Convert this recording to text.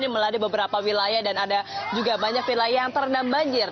meladi beberapa wilayah dan ada juga banyak wilayah yang terendam banjir